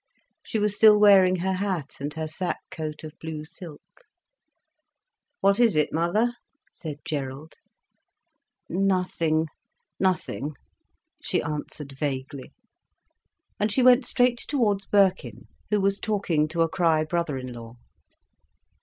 She was still wearing her hat, and her sac coat of blue silk. "What is it, mother?" said Gerald. "Nothing, nothing!" she answered vaguely. And she went straight towards Birkin, who was talking to a Crich brother in law.